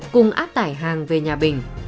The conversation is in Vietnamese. cùng áp tải hàng về nhà bình